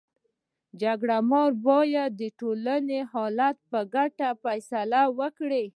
جرګه مار باید د ټولني حالت ته په کتو فيصله وکړي.